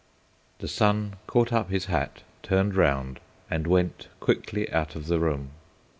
The son caught up his hat, turned round, and went quickly out of the room.